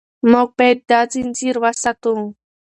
موږ باید دا ځنځیر وساتو.